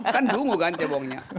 kan dungu kan cebongnya